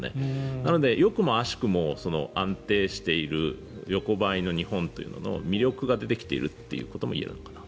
なので、よくも悪しくも安定している横ばいの日本というものの魅力が出てきているということもいえるのかなと。